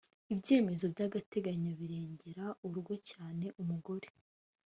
ibyemezo by’agateganyo birengera urugo cyane umugore